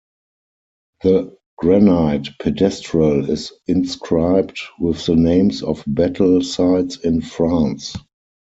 The granite pedestal is inscribed with the names of battle sites in France.